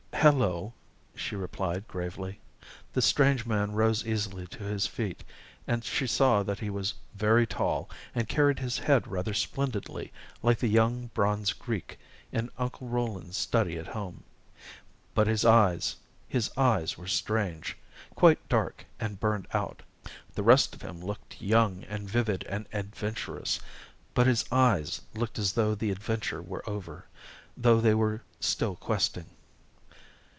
"Hello," she replied gravely. The strange man rose easily to his feet, and she saw that he was very tall and carried his head rather splendidly, like the young bronze Greek in Uncle Roland's study at home. But his eyes his eyes were strange quite dark and burned out. The rest of him looked young and vivid and adventurous but his eyes looked as though the adventure were over, though they were still questing.